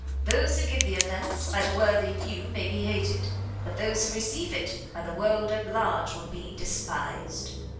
Those who give the offence, by the worthy few may be hated; but those who receive it, by the world at large will be despised.